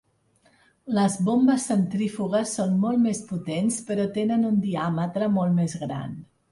Les bombes centrífugues són molt més potents però tenen un diàmetre molt més gran.